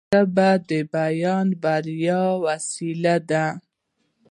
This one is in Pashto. ژبه د بیان بریالۍ وسیله ده